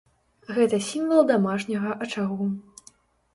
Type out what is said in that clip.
Гэта сімвал дамашняга ачагу.